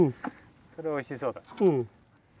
それはおいしそうだ。